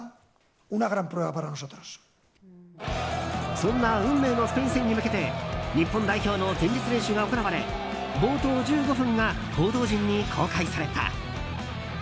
そんな運命のスペイン戦に向けて日本代表の前日練習が行われ冒頭１５分が報道陣に公開された。